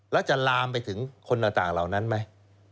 แล้วจะลามไปถึงคนต่างเหล่านั้นไหม